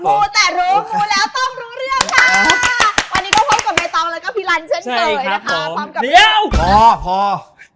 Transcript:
มูแต่รู้มูแล้วต้องรู้เรื่องค่ะวันนี้ก็พบกับใบตองแล้วก็พี่ลันเช่นเคยนะคะพร้อมกับเรา